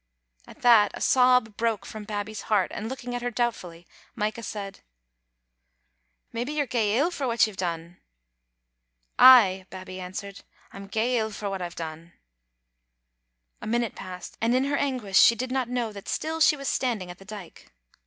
At that a sob broke from Babbie's heart, and looking at her doubtfully Micah said —" Maybe you're gey ill for what you've done?" "Ay," Babbie answered, "I'm gey ill for what I've done." A minute passed, and in her anguish she did not know that still she was standing at the dyke.